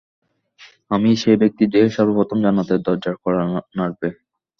আমিই সে ব্যক্তি যে সর্বপ্রথম জান্নাতের দরজার কড়া নাড়বে।